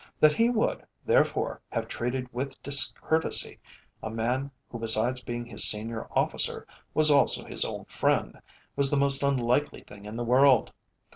That he would, therefore, have treated with discourtesy a man who besides being his senior officer was also his old friend, was the most unlikely thing in the world.